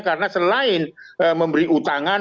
karena selain memberi utangan